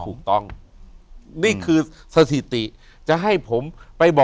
อยู่ที่แม่ศรีวิรัยิลครับ